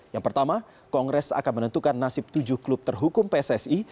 yang pertama kongres akan menentukan nasib tujuh klub terhukum pssi